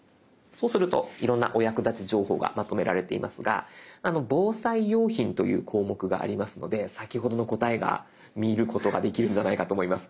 そうするといろんなお役立ち情報がまとめられていますが防災用品という項目がありますので先ほどの答えが見ることができるんじゃないかと思います。